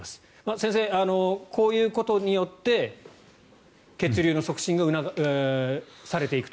先生、こういうことによって血流の促進がされていくと。